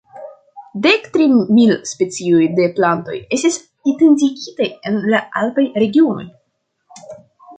Dektri mil specioj de plantoj estis identigitaj en la alpaj regionoj.